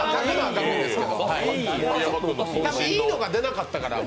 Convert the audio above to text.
いいのが出なかったから、僕。